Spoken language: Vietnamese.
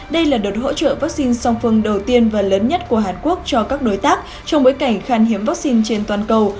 đây là đợt hỗ trợ vaccine song phương đầu tiên và lớn nhất của hàn quốc cho các đối tác trong bối cảnh khan hiếm vaccine trên toàn cầu